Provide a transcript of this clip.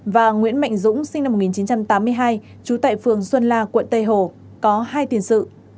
và nguyễn mạnh dũng sinh năm một nghìn chín trăm tám mươi hai trú tại phường xuân la quận tây hồ có hai tiền sự